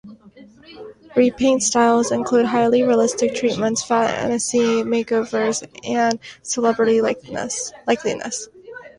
Repaint styles include highly realistic treatments, fantasy makeovers, and celebrity likenesses.